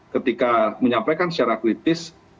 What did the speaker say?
ketika menyampaikan secara kritis